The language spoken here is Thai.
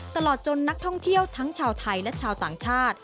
ตลอดจนนักท่องเที่ยวทั้งชาวไทยและชาวต่างชาติ